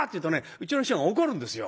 うちの師匠が怒るんですよ。